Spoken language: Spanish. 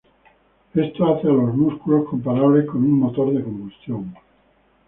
Esto hace a los músculos comparables con un motor de combustión.